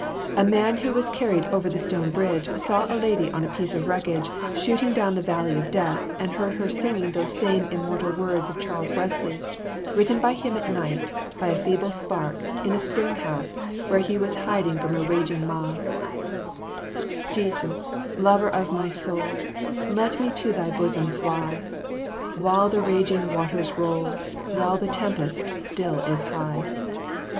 A man who was carried over the Stone Bridge, saw a lady on a piece of wreckage shooting down the valley of death, and heard her singing those same immortal words of Charles Wesley; written by him at night, by a feeble spark, in a spring house, where he was hiding from a raging mob: "Jesus, lover of my soul, Let me to thy bosom fly, While the raging waters roll, While the tempest still is high."